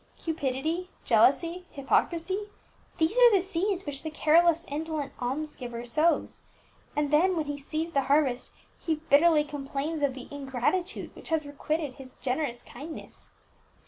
Cupidity, jealousy, hypocrisy, these are the seeds which the careless, indolent almsgiver sows; and then, when he sees the harvest, he bitterly complains of the ingratitude which has requited his generous kindness.